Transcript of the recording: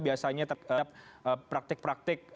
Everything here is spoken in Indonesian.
biasanya terhadap praktik praktik